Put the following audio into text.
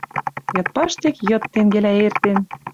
Йыд паштек йыд тенгелӓ эртен.